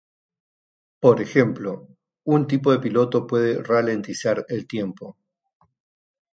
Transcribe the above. Por ejemplo, un tipo de piloto puede ralentizar el tiempo.